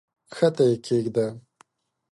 کښته یې کښېږده!